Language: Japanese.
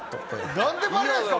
なんでバレないんですか。